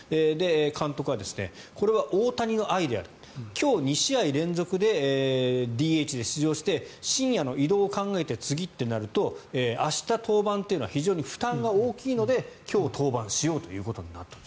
監督は、これは大谷のアイデアだ今日２試合連続でＤＨで出場して深夜の移動を考えて次ってなると明日登板というのは非常に負担が大きいので今日、登板しようということになったと。